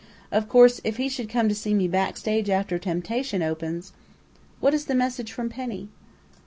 Of course, if he should come to see me backstage after 'Temptation' opens What is the message from Penny?"